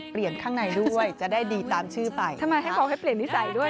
ข้างในด้วยจะได้ดีตามชื่อไปทำไมให้บอกให้เปลี่ยนนิสัยด้วย